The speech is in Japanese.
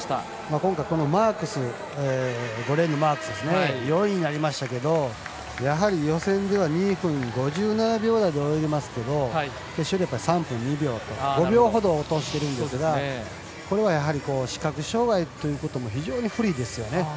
今回、５レーンのマークス４位になりましたけどやはり、予選では２分５７秒台で泳いでますけど決勝では３分２秒と５秒ほど落としてるんですがこれは視覚障がいということも非常に不利ですよね。